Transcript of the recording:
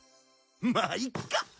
まあいっか。